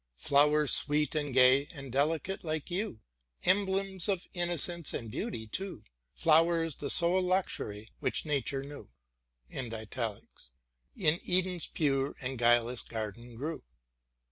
Flowers sweet and gay and delicate like you ; Emblems of innocence, and beauty too. •*•••• Flowers the sole luxury which Nature knew In Eden's pure and guileless garden grew.